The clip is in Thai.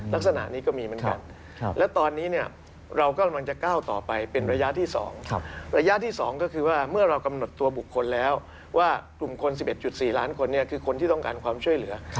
ลักษณะนี้ก็มีเหมือนกันและตอนนี้เนี่ยเรากำลังจะก้าวต่อไปเป็นระยะที่๒ระยะที่๒ก็คือว่าเมื่อเรากำหนดตัวบุคคลแล้วว่ากลุ่มคน๑๑๔ล้านคนคือคนที่ต้องการความช่วยเหลือ